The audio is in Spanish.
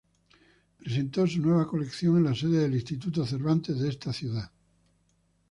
Presentó su nueva colección en la sede del Instituto Cervantes de esta ciudad.